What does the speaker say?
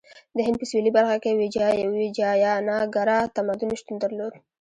د هند په سویلي برخه کې ویجایاناګرا تمدن شتون درلود.